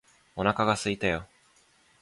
お腹がすいたよ